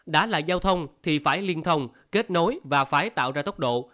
đã là giao thông thì phải liên thông kết nối và phải tạo ra tốc độ